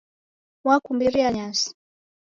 Wakumbiria nyasi